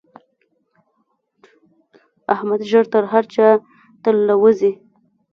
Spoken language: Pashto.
احمد ژر تر هر چا تر له وزي.